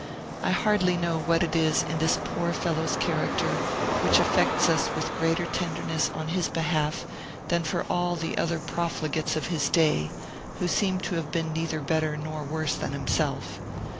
I hardly know what it is, in this poor fellow's character, which affects us with greater tenderness on his behalf than for all the other profligates of his day, who seem to have been neither better nor worse than himself.